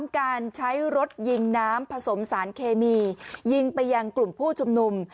การใช้รถยิงน้ำผสมสารเคมียิงไปยังกลุ่มผู้ชุมนุม